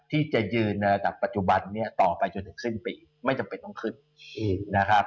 ที่จะยืนในระดับปัจจุบันนี้ต่อไปจนถึงสิ้นปีไม่จำเป็นต้องขึ้นนะครับ